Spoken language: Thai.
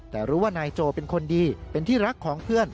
แต่รู้ว่านายโจเป็นคนดีเป็นที่รักของเพื่อน